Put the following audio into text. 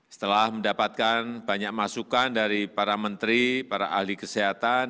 setelah mendapatkan banyak masukan dari para menteri para ahli kesehatan